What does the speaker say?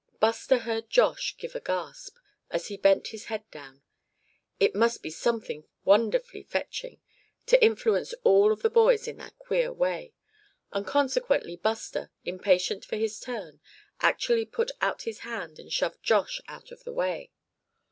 Buster heard Josh give a gasp, as he bent his head down. It must be something wonderfully fetching, to influence all of the boys in that queer way. And consequently Buster, impatient for his turn, actually put out his hand and shoved Josh out of the way.